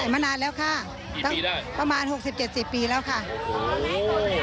ขายมานานแล้วค่ะสี่ปีได้ประมาณหกสิบเจ็ดสิบปีแล้วค่ะโอ้โห